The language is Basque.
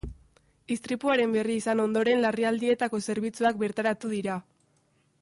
Istripuaren berri izan ondoren, larrialdietako zerbitzuak bertaratu dira.